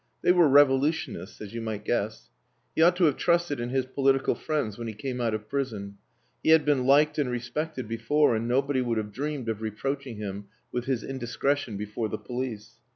They were revolutionists, as you might guess. He ought to have trusted in his political friends when he came out of prison. He had been liked and respected before, and nobody would have dreamed of reproaching him with his indiscretion before the police.